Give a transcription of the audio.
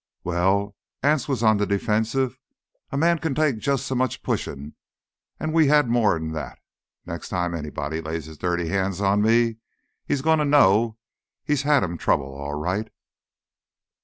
"Well"—Anse was on the defensive—"a man can take jus' so much pushin', an' we had more'n that! Next time anybody lays his dirty hands on me, he's gonna know he's had him trouble, all right!"